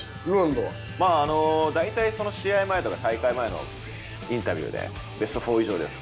だいたい試合前とか大会前のインタビューで「ベスト４以上です」